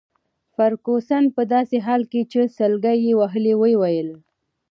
فرګوسن په داسي حال کي چي سلګۍ يې وهلې وویل.